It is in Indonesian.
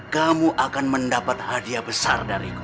kamu akan mendapat hadiah besar dariku